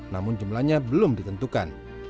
namun jumlahnya belum ditentukan